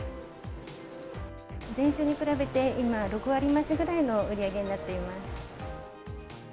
前週に比べて、今、６割増しぐらいの売り上げになっています。